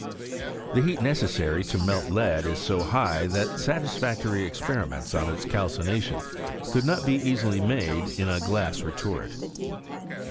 The heat necessary to melt lead is so high that satisfactory experiments on its calcination could not easily be made in a glass retort.